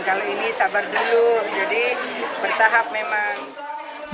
kalau ini sabar dulu jadi bertahap memang